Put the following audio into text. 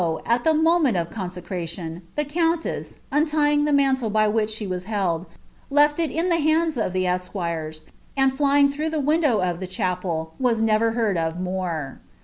at the momeni of consecmtioD, the countess, untying !■ mantle 1^ which the was held, left it in the hands of the esquires, ' JjrinK thraugb the window of the chapel, was never heard of more.